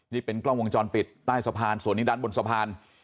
นี่เป็นกล้องวงจรปิดใต้สะพานส่วนนี้ด้านบนสะพาน